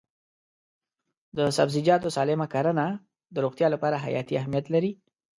د سبزیجاتو سالم کرنه د روغتیا لپاره حیاتي اهمیت لري.